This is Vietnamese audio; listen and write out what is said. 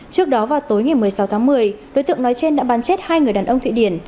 trước đó vào tối ngày một mươi sáu tháng một mươi đối tượng nói trên đã bắn chết hai người đàn ông thụy điển